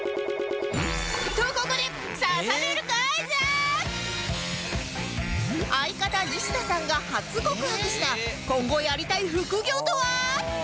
とここで相方西田さんが初告白した今後やりたい副業とは？